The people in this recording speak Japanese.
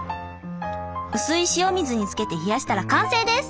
薄い塩水につけて冷やしたら完成です！